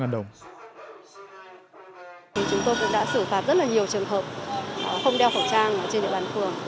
chúng tôi cũng đã xử phạt rất là nhiều trường hợp không đeo khẩu trang trên địa bàn phường